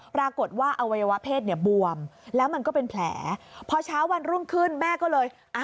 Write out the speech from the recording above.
ปรากฏว่าอวัยวะเพศเนี่ยบวมแล้วมันก็เป็นแผลพอเช้าวันรุ่งขึ้นแม่ก็เลยอ่ะ